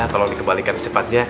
tolong dikembalikan cepatnya